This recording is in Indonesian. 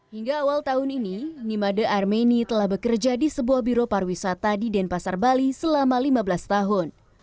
hingga awal tahun ini nimade armeni telah bekerja di sebuah biro parwisata di denpasar bali selama lima belas tahun